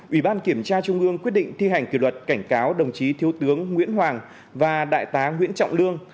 ủy ban kiểm tra trung ương quyết định thi hành kỷ luật cảnh cáo đồng chí thiếu tướng nguyễn hoàng và đại tá nguyễn trọng lương